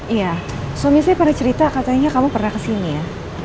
iya suami saya pada cerita katanya kamu pernah kesini ya